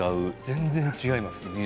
全然違います。